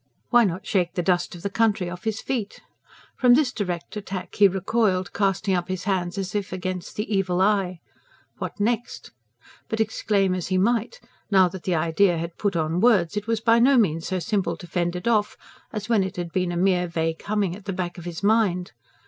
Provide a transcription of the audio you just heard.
Why not shake the dust of the country off his feet? From this direct attack he recoiled, casting up his hands as if against the evil eye. What next? But exclaim as he might, now that the idea had put on words, it was by no means so simple to fend it off as when it had been a mere vague humming at the back of his mind.